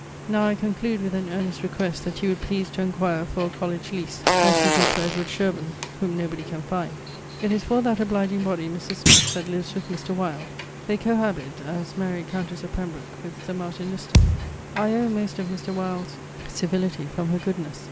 Now I conclude with an earnest request that you would please to enquire for a colledge lease, as you did for Edward Shirbourne (whom nobody can find). It is for that obliging body, Mris Smith, that lives with Mr. Wyld. They cohabite, as Mary, countess of Pembroke, with Sir Martin Lister. I owe most of Mr. Wyld's civility from her goodness.